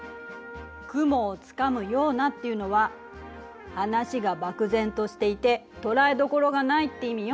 雲をつかむようなっていうのは話が漠然としていて捉えどころがないって意味よ。